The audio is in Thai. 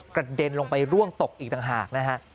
กระเด็นลงไปร่วงตกอีกต่างหาก